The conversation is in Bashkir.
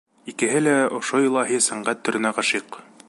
Икеһе лә ошо илаһи сәнғәт төрөнә ғашиҡ.